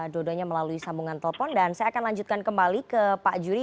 dua duanya melalui sambungan telepon dan saya akan lanjutkan kembali ke pak juri